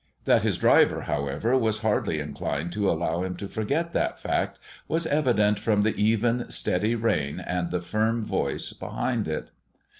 That his driver, however, was hardly inclined to allow him to forget that fact was evident from the even, steady rein and the firm voice behind it.